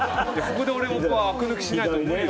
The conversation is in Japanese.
ここで俺があく抜きしないと。